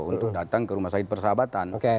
untuk datang ke rumah sakit persahabatan